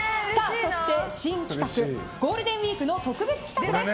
そして、新企画ゴールデンウィークの特別企画です。